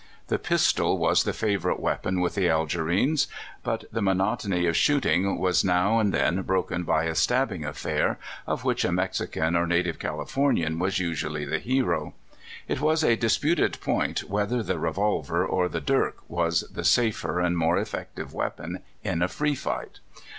The pistol was the favorite weapon with the Algerines, but the monotony of shooting was now and then broken by a stabbing affair, of which a Mexican or native Californian was usually the hero. It was a disputed point whether the re volver or the dirk was the safer and more effect ive weapon in a free fight.